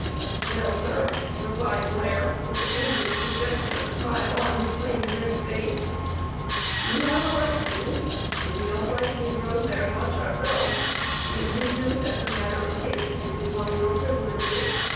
"Well, sir," replied Blair, with the faintest suggestion of a smile on his plain, grim face, "you have a right to. We don't like negroes very much ourselves. If you do, that's a matter of taste. It is one of your privileges.